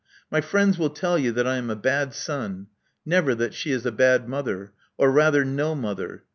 My friends will tell you that I am a bad son — never that she is a bad mother,* or rather no mother.